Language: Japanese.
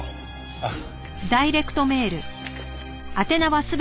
あっ。